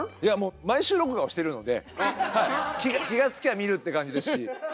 毎週録画はしてるので気が付きゃ見るって感じですし。